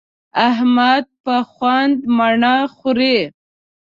احمد په خوند مڼه خوري.